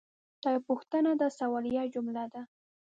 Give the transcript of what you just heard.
دا یوه پوښتنه ده – سوالیه جمله ده.